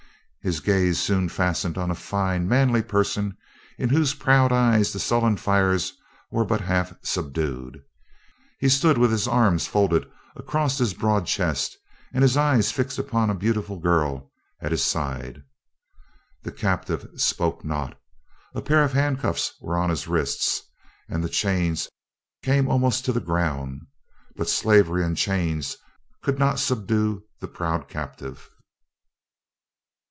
His gaze soon fastened on a fine, manly person in whose proud eye the sullen fires were but half subdued. He stood with his arms folded across his broad chest and his eye fixed upon a beautiful girl at his side. The captive spoke not. A pair of handcuffs were on his wrists, and the chains came almost to the ground; but slavery and chains could not subdue the proud captive.